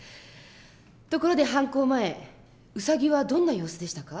ところで犯行前ウサギはどんな様子でしたか？